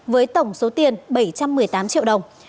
với tổng số tiền bảy trăm một mươi tám triệu đồng